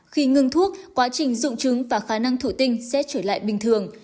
khi ngừng thuốc quá trình dụng trứng và khả năng thủ tinh sẽ trở lại bình thường